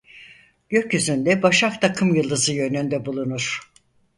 Gökyüzünde Başak takımyıldızı yönünde bulunur.